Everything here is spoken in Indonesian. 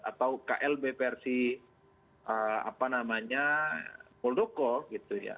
atau klb versi apa namanya muldoko gitu ya